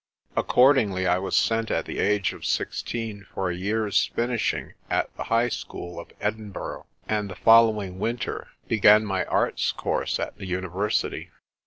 Accordingly I was sent at the age of sixteen for a year's finishing at the High School of Edinburgh, and the following winter began my Arts course at the university.